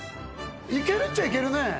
いけるっちゃいけるね。